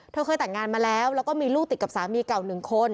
เธอเคยแต่งงานมาแล้วแล้วก็มีลูกติดกับสามีเก่าหนึ่งคน